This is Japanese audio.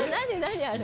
あれ。